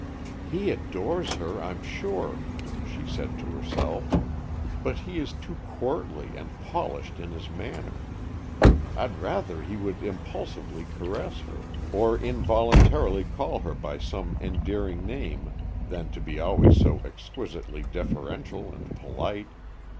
"He adores her, I'm sure," she said to herself, "but he is too courtly and polished in his manner. I'd rather he would impulsively caress her, or involuntarily call her by some endearing name than to be always so exquisitely deferential and polite.